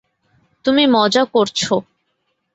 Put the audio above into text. তুমি মজা করছো।